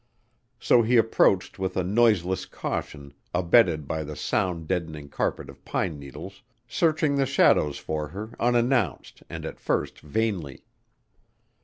So he approached with a noiseless caution abetted by the sound deadening carpet of pine needles, searching the shadows for her unannounced and at first vainly.